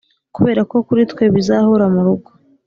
kuberako kuri twe bizahora murugo